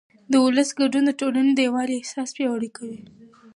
د ولس ګډون د ټولنې د یووالي احساس پیاوړی کوي